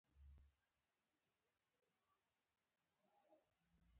د اوبو پاکوالی د ژوند لپاره حیاتي دی.